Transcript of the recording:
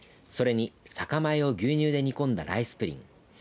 それに、酒米を牛乳で煮込んだライスプリン。